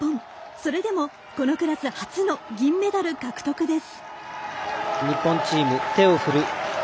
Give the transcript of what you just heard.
それでも、このクラス初の銀メダル獲得です。